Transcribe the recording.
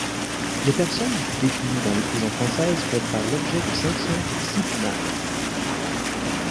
Les personnes détenues dans les prisons françaises peuvent faire l'objet de sanctions disciplinaires.